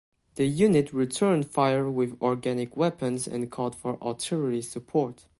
The unit returned fire with organic weapons and called for artillery support.